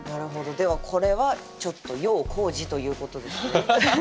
ではこれはちょっと要工事ということですかね？